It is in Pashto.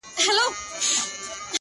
دا څه خبره ده; بس ځان خطا ايستل دي نو;